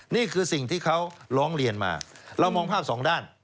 นี่คือสิ่งที่เขาร้องเรียนมาเรามองภาพสองด้าน